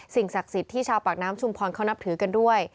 ศักดิ์สิทธิ์ที่ชาวปากน้ำชุมพรเขานับถือกันด้วย